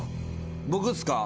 僕っすか？